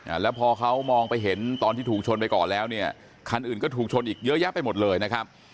อ่าแล้วพอเขามองไปเห็นตอนที่ถูกชนไปก่อนแล้วเนี่ยคันอื่นก็ถูกชนอีกเยอะแยะไปหมดเลยนะครับ